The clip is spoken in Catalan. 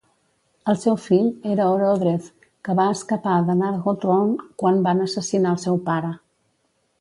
El seu fill era Orodreth, que va escapar de Nargothrond quan van assassinar el seu pare.